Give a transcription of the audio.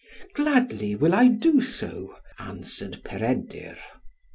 "Gladly will I do so," answered Peredur.